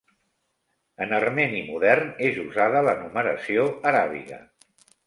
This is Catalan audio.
En armeni modern és usada la numeració aràbiga.